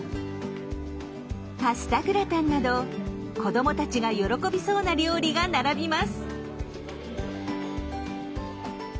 パスタグラタンなど子どもたちが喜びそうな料理が並びます。